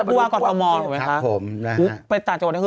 พ่อเจ็บจะเรียกบ้ก่อนอม